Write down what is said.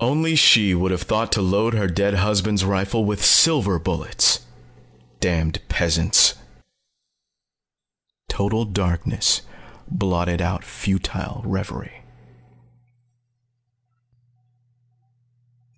Only she would have thought to load her dead husband's rifle with silver bullets! Damned peasants " Total darkness blotted out futile revery.